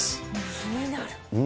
気になる。